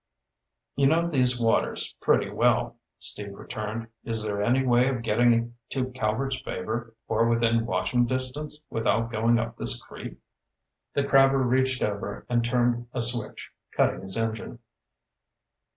"You know these waters pretty well," Steve returned. "Is there any way of getting to Calvert's Favor, or within watching distance, without going up this creek?" The crabber reached over and turned a switch, cutting his engine.